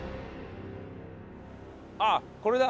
あっこれだ！